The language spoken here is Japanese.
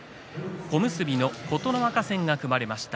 小結の琴ノ若戦が組まれました。